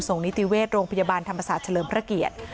นิติเวชโรงพยาบาลธรรมศาสตร์เฉลิมพระเกียรติ